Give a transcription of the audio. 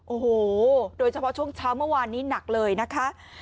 โอ้โหโดยเฉพาะช่วงเช้าเมื่อวานนี้หนักเลยนะคะ